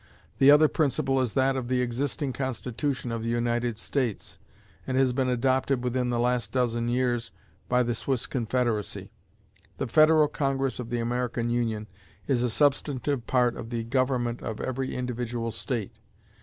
The other principle is that of the existing Constitution of the United States, and has been adopted within the last dozen years by the Swiss Confederacy. The Federal Congress of the American Union is a substantive part of the government of every individual state.